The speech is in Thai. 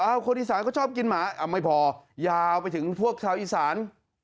เอาคนอีสานก็ชอบกินหมาไม่พอยาวไปถึงพวกชาวอีสาน